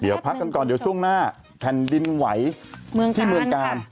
เดี๋ยวพักกันก่อนเดี๋ยวช่วงหน้าแผ่นดินไหวที่เมืองกาล